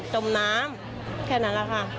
จึงไม่ได้เอดในแม่น้ำ